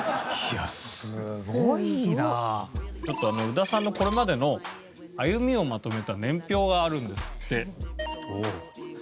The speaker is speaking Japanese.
宇田さんのこれまでの歩みをまとめた年表があるんですって。